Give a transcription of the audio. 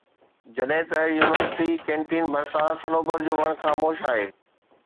جڏهن ته university canteen ڀرسان صنوبر جو وڻ خاموش آهي